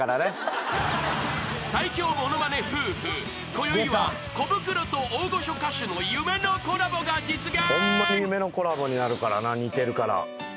こよいはコブクロと大御所歌手の夢のコラボが実現］